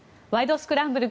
スクランブル」